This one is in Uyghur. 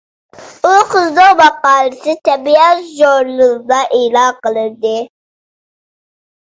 ئۇ قىزنىڭ ماقالىسى «تەبىئەت» ژۇرنىلىدا ئېلان قىلىندى.